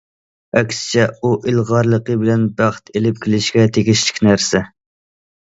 ئەكسىچە ئۇ ئىلغارلىقى بىلەن بەخت ئېلىپ كېلىشكە تېگىشلىك نەرسە.